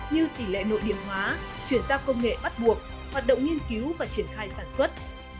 như tỷ lệ nội địa hóa chuyển giao công nghệ bắt buộc hoạt động nghiên cứu và triển khai sản xuất